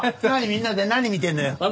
みんなで何見てるのよ。